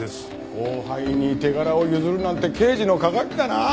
後輩に手柄を譲るなんて刑事の鑑だなあ。